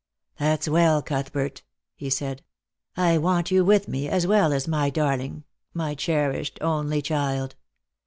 "That's well, Cuthbert," be said; " I want you with me, as well as my darling — my cherished only child.